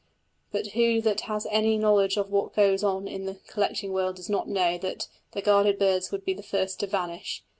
But who that has any knowledge of what goes on in the collecting world does not know that the guarded birds would be the first to vanish?